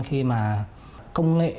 khi mà công nghệ